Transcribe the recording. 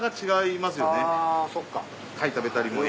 あそっか。